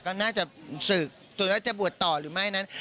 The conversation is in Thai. ก็น่าจะศึกจะบ่าต่อหรือไม่นั้น